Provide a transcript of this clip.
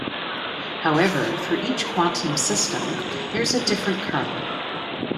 However, for each quantum system, there is a different kernel.